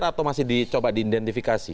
atau masih dicoba diidentifikasi